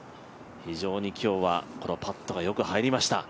非常に今日はこのパットがよく入りました。